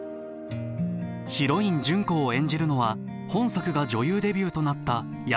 ヒロイン純子を演じるのは本作が女優デビューとなった山口智子。